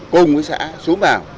cùng với xã xuống vào